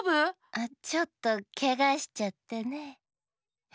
あっちょっとけがしちゃってね。え？